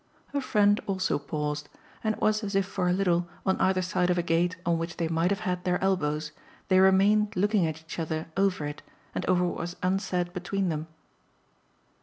Her friend also paused, and it was as if for a little, on either side of a gate on which they might have had their elbows, they remained looking at each other over it and over what was unsaid between them.